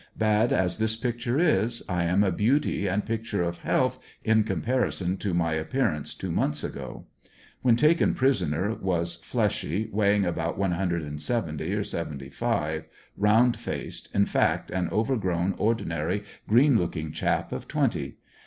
Bad as this picture is, I am a beauty and picture of health in comparison to my appearance two months ago. When taken prisoner was fleshy, wei'ghini: about one hundred and seventy or seventy five, round faced, in fact an overgrown, ordinary, green looking chap of twenty.